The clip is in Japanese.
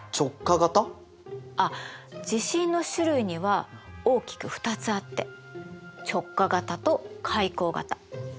あっ地震の種類には大きく２つあって直下型と海溝型。